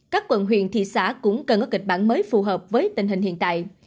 các quận huyện thị xã cũng cần có kịch bản mới phù hợp với tình hình hiện tại